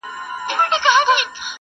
د شاه شجاع د قتلېدلو وطن٫